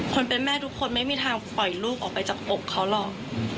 คนเป็นแม่ทุกคนไม่มีทางปล่อยลูกออกไปจากอกเขาหรอก